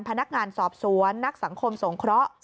พนักงานสอบสวนนักสังคมสงเคราะห์